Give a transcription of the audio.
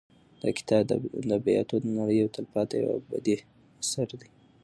دا کتاب د ادبیاتو د نړۍ یو تلپاتې او ابدي اثر دی.